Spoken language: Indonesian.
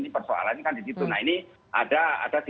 nah ini persoalannya kan di situ nah ini persoalannya kan di situ